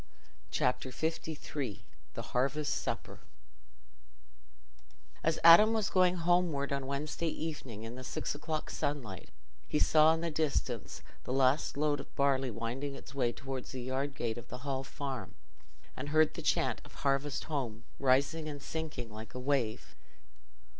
Chapter LIII The Harvest Supper As Adam was going homeward, on Wednesday evening, in the six o'clock sunlight, he saw in the distance the last load of barley winding its way towards the yard gate of the Hall Farm, and heard the chant of "Harvest Home!" rising and sinking like a wave.